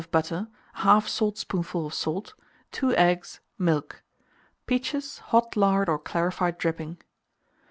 of butter, 1/2 saltspoonful of salt, 2 eggs, milk; peaches, hot lard or clarified dripping.